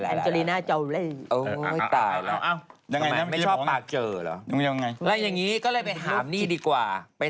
อันเจริน่าโจรดิ